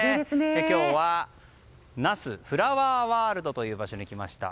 今日は那須フラワーワールドという場所に来ました。